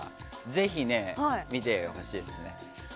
ぜひ、見てほしいです。